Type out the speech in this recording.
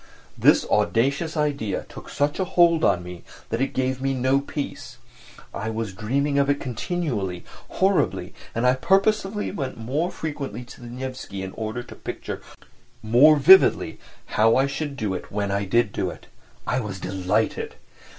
This audacious idea took such a hold on me that it gave me no peace. I was dreaming of it continually, horribly, and I purposely went more frequently to the Nevsky in order to picture more vividly how I should do it when I did do it. I was delighted.